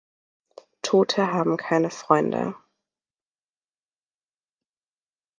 Tote haben keine Freunde.